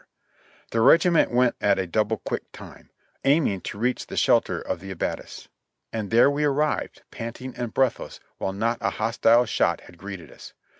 The regiment went at a double quick time, aiming to reach the shelter of the abattis ; and there we arrived, panting and breathless, while not a hostile shot had greeted us.